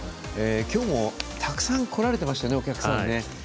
今日も、たくさん来られてましたよねお客さんね。